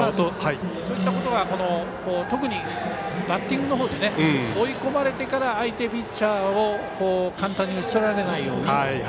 そういったことが特にバッティングのほうで追い込まれてから相手ピッチャーを簡単に打ち取られないように。